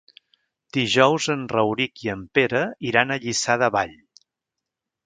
Dijous en Rauric i en Pere iran a Lliçà de Vall.